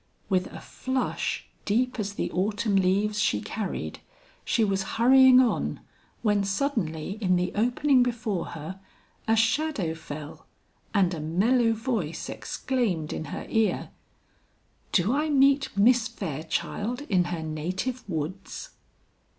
With a flush deep as the autumn leaves she carried, she was hurrying on, when suddenly in the opening before her, a shadow fell, and a mellow voice exclaimed in her ear, "Do I meet Miss Fairchild in her native woods?"